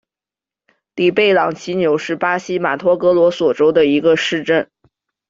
里贝朗齐纽是巴西马托格罗索州的一个市镇。